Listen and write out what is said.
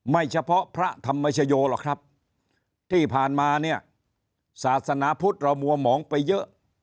เฉพาะพระธรรมชโยหรอกครับที่ผ่านมาเนี่ยศาสนาพุทธเรามัวหมองไปเยอะ